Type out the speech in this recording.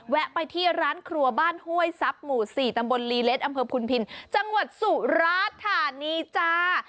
แวะไปที่ร้านครัวบ้านห้วยทรัพย์หมู่๔ตำบลลีเล็ดอำเภอพุนพินจังหวัดสุราธานีจ้า